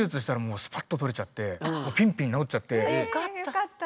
よかった。